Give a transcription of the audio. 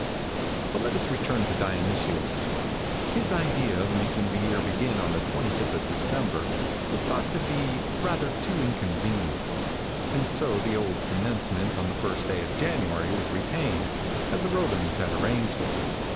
"But let us return to Dionysius. His idea of making the year begin on the 25th of December was thought to be rather too inconvenient, and so the old commencement on the first day of January was retained, as the Romans had arranged it.